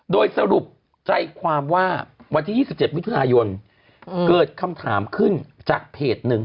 โดยสรุปใจความว่าวันที่๒๗มิถุนายนเกิดคำถามขึ้นจากเพจหนึ่ง